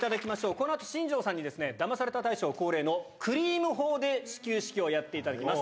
このあと新庄さんに、ダマされた大賞恒例のクリーム砲で始球式をやっていただきます。